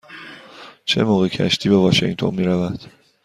چه موقع کشتی به واشینگتن می رود؟